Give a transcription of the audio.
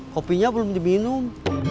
kopinya belum diminum